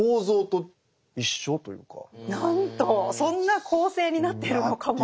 そんな構成になっているのかも。